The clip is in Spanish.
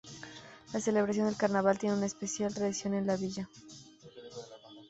Las celebraciones del carnaval tienen una especial tradición en la villa.